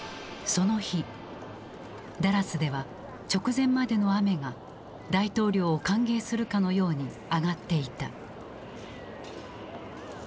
その日ダラスでは直前までの雨が大統領を歓迎するかのように上がっていた。